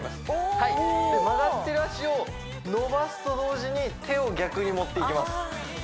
はいで曲がってる脚を伸ばすと同時に手を逆に持っていきます